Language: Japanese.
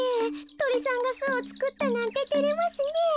トリさんがすをつくったなんててれますねえ。